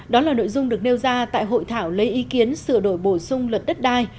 đó là nội dung được nêu ra tại hội thảo lấy ý kiến sửa đổi bổ sung luật đất đai